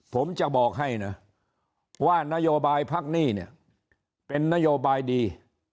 ผมจะบอกให้นะว่านโยบายพักหนี้เนี่ยเป็นนโยบายดี